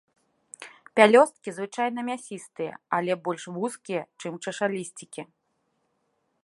Пялёсткі звычайна мясістыя, але больш вузкія, чым чашалісцікі.